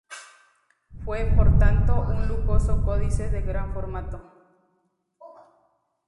Fue, por tanto, un lujoso códice de gran formato.